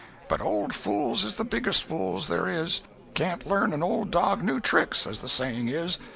But old fools is the biggest fools there is. Can't learn an old dog new tricks, as the saying is.